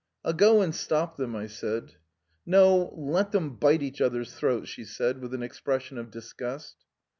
' I'll go and part them," I said. ' No. Let them kill each other," she said with an expression of disgust.